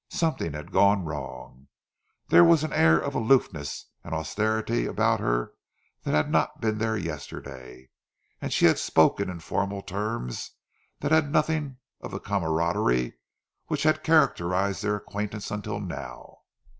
Something had gone wrong. There was an air of aloofness and austerity about her that had not been there yesterday, and she had spoken in formal terms that had nothing of the camaraderie which had characterized their acquaintance until now.